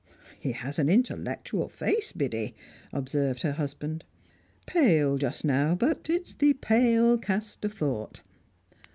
"He has an intellectual face, Biddy," observed her husband. "Pale just now, but it's 'the pale cast of thought.'